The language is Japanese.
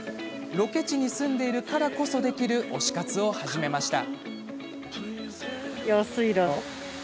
ロケ地に住んでいるからこそできる推し活を始めました。